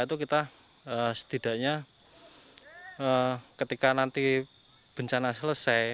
itu kita setidaknya ketika nanti bencana selesai